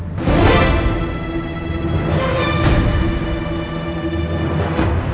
lebih baik sekarang kalian berdua tinggal bersamaku